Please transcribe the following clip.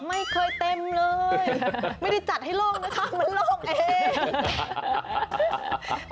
ไม่เคยเต็มเลยไม่ได้จัดให้โล่งนะคะมันโล่งเอง